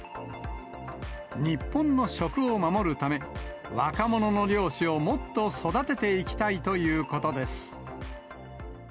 日本の食を守るため、若者の漁師をもっと育てていきたいということです。